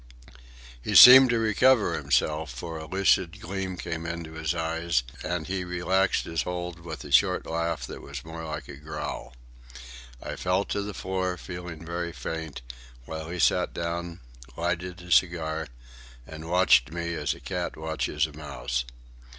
He seemed to recover himself, for a lucid gleam came into his eyes, and he relaxed his hold with a short laugh that was more like a growl. I fell to the floor, feeling very faint, while he sat down, lighted a cigar, and watched me as a cat watches a mouse.